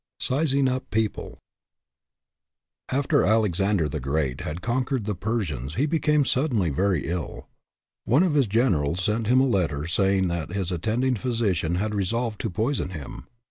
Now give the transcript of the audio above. SIZING UP PEOPLE FTER Alexander the Great had conquered the Persians he became suddenly very ill. One of his generals sent him a letter saying that his attending physician had resolved to poison him.